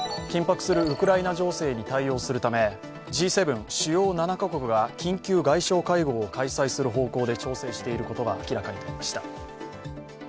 緊迫するウクライナ情勢に対応するためＧ７＝主要７か国が緊急外相会合を開催する方向で調整していることが明らかになりました。